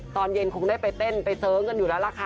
ตอนเย็นคงได้ไปเต้นไปเสิร์งกันอยู่แล้วล่ะค่ะ